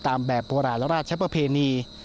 ตามแบบบวงสวง